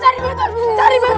cari bantuan cari bantuan